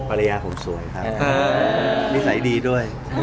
ปลายาผมสวยครับครับภาคกีษภาพดีด้วย